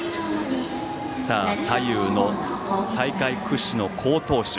左右の大会屈指の好投手